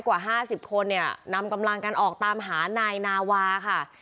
กว่า๕๐คนเนี่ยนำกำลังกันออกตามหานายนาวาค่ะ